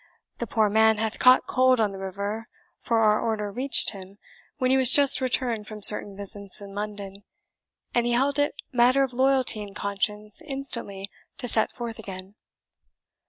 The poor man hath caught cold on the river for our order reached him when he was just returned from certain visits in London, and he held it matter of loyalty and conscience instantly to set forth again.